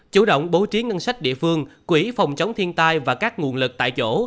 chủ động bố trí ngân sách địa phương quỹ phòng chống thiên tai và các nguồn lực tại chỗ